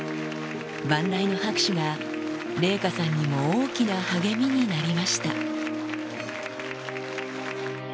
万雷の拍手が麗禾さんにも大きな励みになりました。